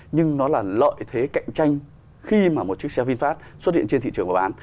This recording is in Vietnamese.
nhưng nó là lợi thế cạnh tranh khi mà một chiếc xe vinfast xuất hiện trên thị trường và bán